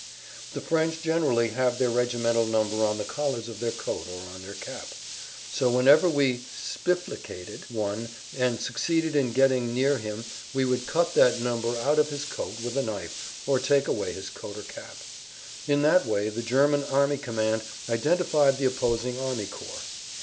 The French generally have their regimental number on the collars of their coat or on their cap. So whenever we "spiflicated" one and succeeded in getting near him we would cut that number out of his coat with a knife or take away his coat or cap. In that way the German army command identified the opposing army corps.